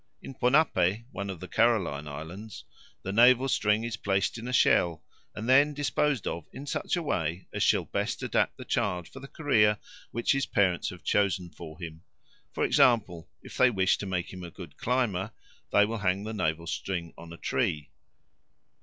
In Ponape, one of the Caroline Islands, the navel string is placed in a shell and then disposed of in such a way as shall best adapt the child for the career which the parents have chosen for him; for example, if they wish to make him a good climber, they will hang the navel string on a tree.